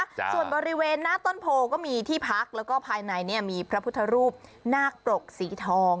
ครับส่วนบริเวณหน้าต้นโพก็มีที่พักแล้วก็ภายในเนี้ยมีพระพุทธรูปนาคปรกสีทอง